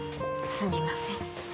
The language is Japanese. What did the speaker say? すみません。